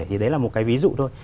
thì đấy là một cái ví dụ thôi